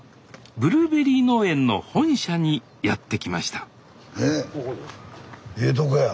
ブルーベリー農園の本社にやってきましたええとこや。